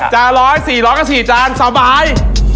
จานละ๑๐๐๔๐๐กับ๔จานสบาย